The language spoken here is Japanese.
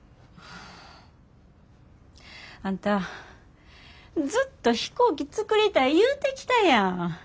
あんたずっと飛行機作りたい言うてきたやん。